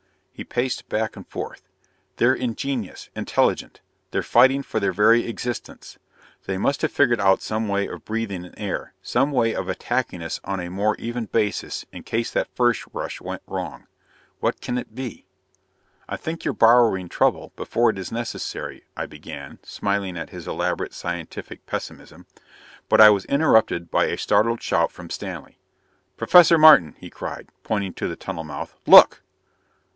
He paced back and forth. "They're ingenious, intelligent. They're fighting for their very existence. They must have figured out some way of breathing in air, some way of attacking us on a more even basis in case that first rush went wrong. What can it be?" "I think you're borrowing trouble before it is necessary " I began, smiling at his elaborate, scientific pessimism. But I was interrupted by a startled shout from Stanley. "Professor Martin," he cried, pointing to the tunnel mouth. "Look!"